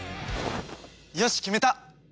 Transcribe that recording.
よし決めた！